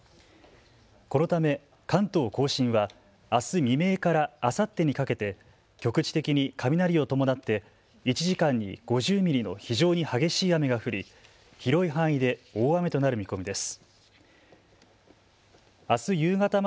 このため関東甲信はあす未明からあさってにかけて局地的に雷を伴って１時間に５０ミリの非常に激しい雨が降り広い範囲で大雨となる見込みです。